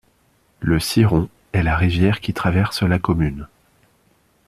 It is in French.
Le Ciron est la rivière qui traverse la commune.